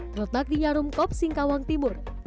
terletak di nyarumkop singkawang timur